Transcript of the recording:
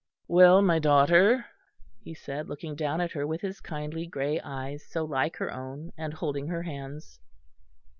"Well, my daughter," he said, looking down at her with his kindly grey eyes so like her own, and holding her hands.